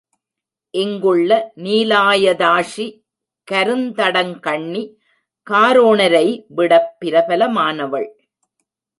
இங்குள்ள நீலாயதாக்ஷி கருந்தடங் கண்ணி காரோணரை விடப் பிரபலமானவள்.